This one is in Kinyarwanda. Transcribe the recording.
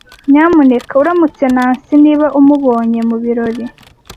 Nyamuneka uramutse Nancy niba umubonye mubirori.